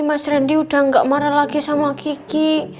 mas randy udah gak marah lagi sama gigi